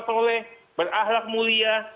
soleh berahlak mulia